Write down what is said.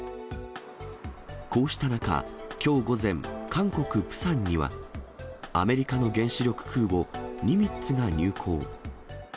こうした中、きょう午前、韓国・プサンには、アメリカの原子力空母、ニミッツが入港。